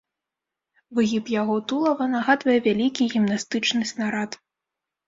Выгіб яго тулава нагадвае вялікі гімнастычны снарад.